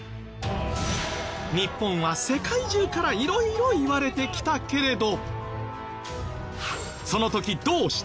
日本は世界中から色々言われてきたけれど。